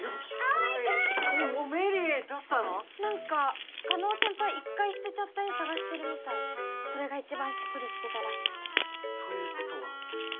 なんか叶先輩一回捨てちゃった絵探してるみたいそれが一番しっくりきてたらしくてということは？